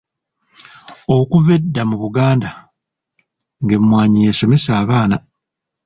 Okuva edda mu Buganda ng'emmwanyi y'esomesa abaana.